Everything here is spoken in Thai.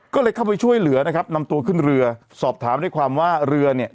ก็เลยเข้าไปช่วยเหลือนะครับนำตัวขึ้นเรือสอบถามด้วยความว่าเรือเนี่ย